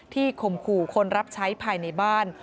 ข่มขู่คนรับใช้ภายในบ้าน